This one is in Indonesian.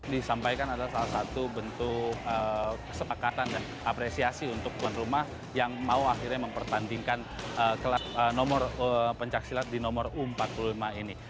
disampaikan adalah salah satu bentuk kesepakatan dan apresiasi untuk tuan rumah yang mau akhirnya mempertandingkan nomor pencaksilat di nomor u empat puluh lima ini